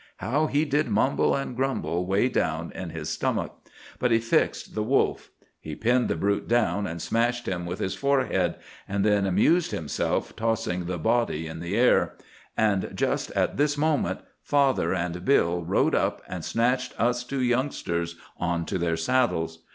How he did mumble and grumble way down in his stomach; but he fixed the wolf. He pinned the brute down and smashed him with his forehead, and then amused himself tossing the body in the air; and just at this moment father and Bill rode up and snatched us two youngsters onto their saddles.